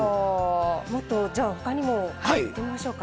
もっとじゃあ他にもいってみましょうか。